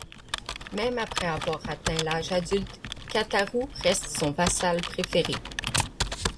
Même après avoir atteint l'âge adulte, Kataharu reste son vassal préféré.